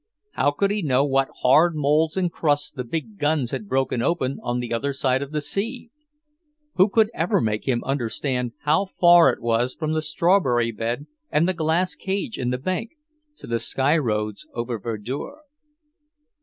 How could he know what hard moulds and crusts the big guns had broken open on the other side of the sea? Who could ever make him understand how far it was from the strawberry bed and the glass cage in the bank, to the sky roads over Verdure?